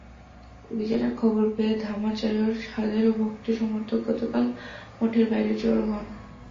অভিযানের খবর পেয়ে ধামাচায়োর হাজারো ভক্ত-সমর্থক গতকাল মঠের বাইরে জড়ো হন।